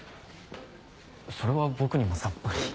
それは僕にもさっぱり。